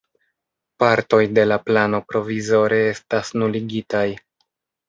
Partoj de la plano provizore estas nuligitaj.